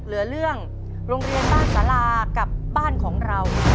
เหลือเรื่องโรงเรียนบ้านสารากับบ้านของเรา